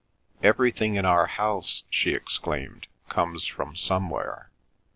Everything in our house," she exclaimed, "comes from somewhere!